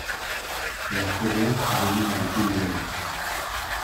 La forêt domine le paysage.